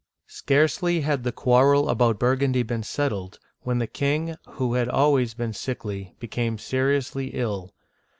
Scarcely had the quarrel about Burgundy been settled, when the king, who had always been sickly, became seri ously ill.